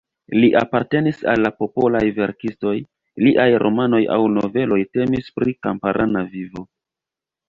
Li apartenis al la popolaj verkistoj, liaj romanoj aŭ noveloj temis pri kamparana vivo.